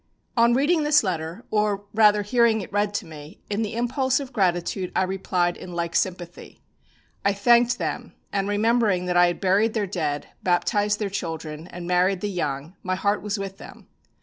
On reading this letter, or rather hearing it read to me, in the impulse of gratitude I replied in like sympathy. I thanked them, and remembering that I had buried their dead, baptised their children and married the young, my heart was with them.